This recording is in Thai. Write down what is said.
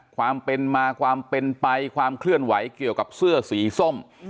ความเป็นมาความเป็นไปความเคลื่อนไหวเกี่ยวกับเสื้อสีส้ม